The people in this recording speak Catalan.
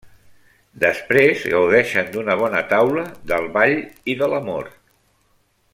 Després gaudeixen d’una bona taula, del ball i de l'amor.